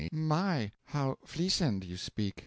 My! how fliessend you speak!